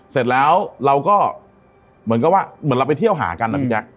เสร็จแล้วเราก็เหมือนไปเที่ยวหากันนะพี่แจ๊ค